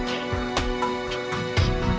taruh di depan